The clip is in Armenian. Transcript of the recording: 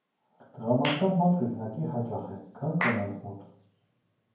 Տղամարդկանց մոտ կրկնակի հաճախ է, քան կանանց մոտ։